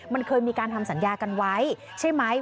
มันเคยมีการทำสัญญากันไว้ใช่ไหม